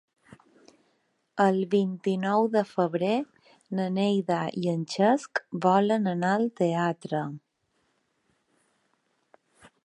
El vint-i-nou de febrer na Neida i en Cesc volen anar al teatre.